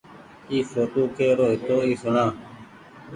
اي ڦوٽو ڪرو هيتو اي سوڻآ۔